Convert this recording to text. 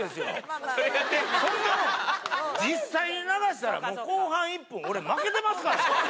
そんなもん実際に流したらもう後半１分俺負けてますからね。